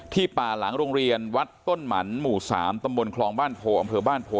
ป่าหลังโรงเรียนวัดต้นหมันหมู่๓ตำบลคลองบ้านโพอำเภอบ้านโพ